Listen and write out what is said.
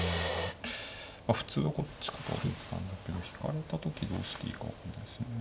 普通はこっちかと思ったんだけど引かれた時どうしていいか分かんないですよね。